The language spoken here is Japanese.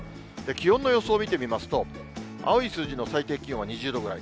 気温の予想を見てみますと、青い数字の最低気温は２０度ぐらい。